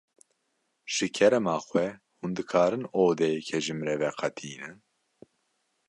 Ji kerema xwe hûn dikarin odeyekê ji min re veqetînin?